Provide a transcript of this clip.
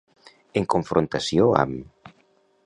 En confrontació amb.